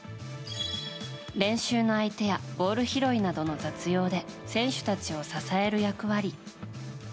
練習の相手やボール拾いなどの雑用で選手たちを支える役割。